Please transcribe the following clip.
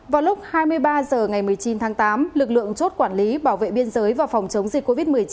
vào lúc hai mươi ba h ngày một mươi chín tháng tám lực lượng chốt quản lý bảo vệ biên giới và phòng chống dịch covid một mươi chín